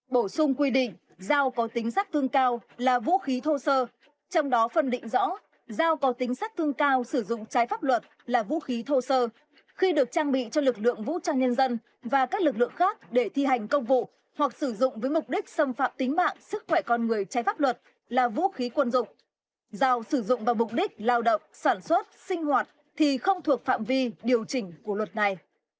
bổ sung quy định dao có tính sắc tương cao là vũ khí thô sơ trong đó phân định rõ dao có tính sắc tương cao sử dụng trái pháp luật là vũ khí thô sơ khi được trang bị cho lực lượng vũ trang nhân dân và các lực lượng khác để thi hành công vụ hoặc sử dụng với mục đích xâm phạm tính mạng sức khỏe con người trái pháp luật là vũ khí quân dụng dao sử dụng vào mục đích lao động sản xuất sinh hoạt thì không thuộc phạm vi điều chỉnh của luật này